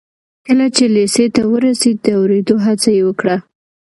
کله چې لېسې ته ورسېد د اورېدو هڅه یې وکړه